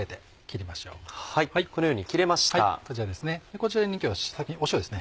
こちらに今日先に塩ですね。